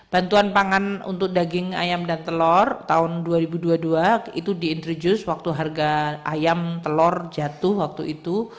bantuan pangan untuk daging ayam dan telur tahun dua ribu dua puluh dua itu di introduce waktu harga ayam telur jatuh waktu itu